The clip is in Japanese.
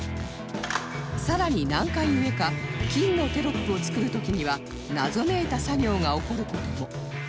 さらに難解ゆえか金のテロップを作る時には謎めいた作業が起こる事も